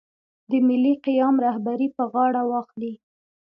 د ملي قیام رهبري پر غاړه واخلي.